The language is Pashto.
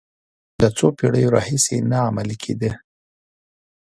د څو پېړیو راهیسې نه عملي کېده.